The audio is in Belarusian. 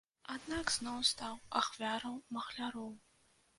Аднак зноў стаў ахвяраў махляроў.